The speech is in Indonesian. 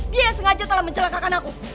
dia yang sengaja telah menjelakakan aku